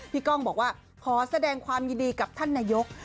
ก้องบอกว่าขอแสดงความยินดีกับท่านนายก